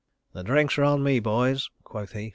"The drinks are on me, boys," quoth he.